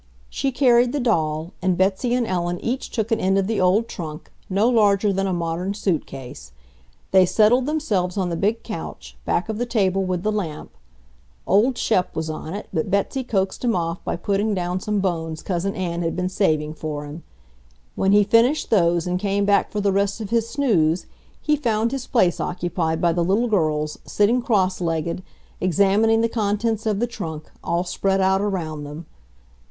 She carried the doll, and Betsy and Ellen each took an end of the old trunk, no larger than a modern suitcase. They settled themselves on the big couch, back of the table with the lamp. Old Shep was on it, but Betsy coaxed him off by putting down some bones Cousin Ann had been saving for him. When he finished those and came back for the rest of his snooze, he found his place occupied by the little girls, sitting cross legged, examining the contents of the trunk, all spread out around them.